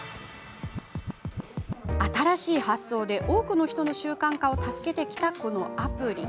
新しい発想で多くの人の習慣化を助けてきたこのアプリ。